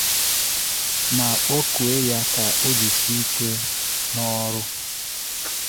ma kpọkuo ya ka o jisie ike n'ọrụ